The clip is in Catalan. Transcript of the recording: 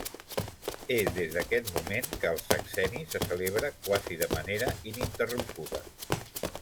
És des d'aquest moment que el Sexenni se celebra quasi de manera ininterrompuda.